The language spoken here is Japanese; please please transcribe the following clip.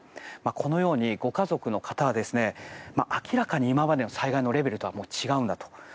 このように、ご家族の方は明らかに今までの災害のレベルとは違うんだと。